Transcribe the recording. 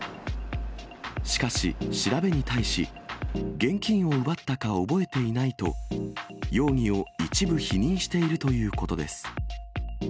しかし、調べに対し、現金を奪ったか覚えていないと、容疑を一部否認しているということです。